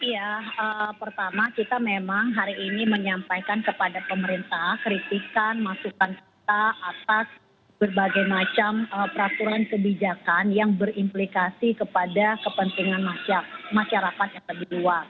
ya pertama kita memang hari ini menyampaikan kepada pemerintah kritikan masukan kita atas berbagai macam peraturan kebijakan yang berimplikasi kepada kepentingan masyarakat yang lebih luas